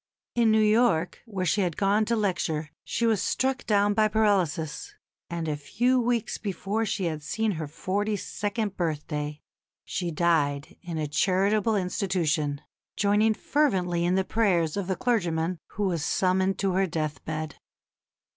In New York, where she had gone to lecture, she was struck down by paralysis, and a few weeks before she had seen her forty second birthday she died in a charitable institution, joining fervently in the prayers of the clergyman who was summoned to her death bed.